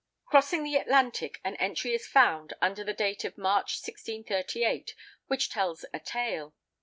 Crossing the Atlantic an entry is found, under the date of March, 1638, which tells a tale.